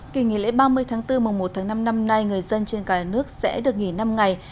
kỳ nghỉ lễ ba mươi tháng bốn mùa một tháng năm năm nay người dân trên cả nước sẽ được nghỉ năm ngày